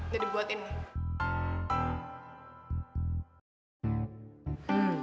nih dibuatin nih